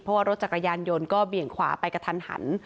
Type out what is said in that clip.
เพราะว่ารถจักรยานยนต์ก็เบี่ยงขวาไปกระทันหัน